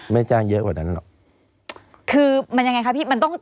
ไม่จ้างเยอะกว่านั้นหรอกคือมันยังไงคะพี่มันต้อง